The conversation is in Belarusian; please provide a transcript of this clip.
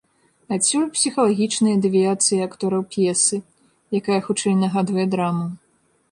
Адсюль псіхалагічныя дэвіяцыі актораў п'есы, якая хутчэй нагадвае драму.